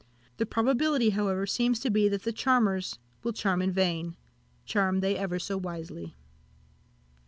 The probability, however, seems to be, that the charmers will charm in vain, charm they ever so wisely.